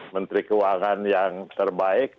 menteri keuangan yang terbaik